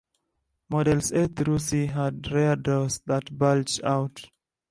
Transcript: Models A through C had rear doors that bulged out.